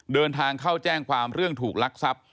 เดินทางเข้าแจ้งความเรื่องถูกลักทรัพย์